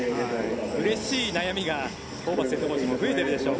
うれしい悩みがホーバスヘッドコーチも増えているでしょう